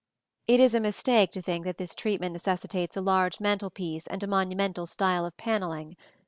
It is a mistake to think that this treatment necessitates a large mantel piece and a monumental style of panelling.